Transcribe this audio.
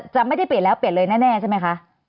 จะไม่ได้เปลี่ยนแล้วเปลี่ยนเลยแน่ใช่ไหมคะ